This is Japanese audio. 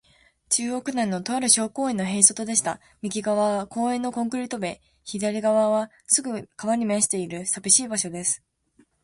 中央区内の、とある小公園の塀外へいそとでした。右がわは公園のコンクリート塀べい、左がわはすぐ川に面している、さびしい場所です。